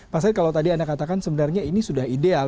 pak said kalau tadi anda katakan sebenarnya ini sudah ideal